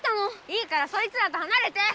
いいからそいつらとはなれて！